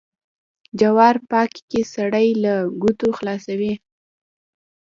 جوار پاکي کې سړی له گوتو خلاصوي.